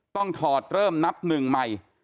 ถอดเริ่มนับหนึ่งใหม่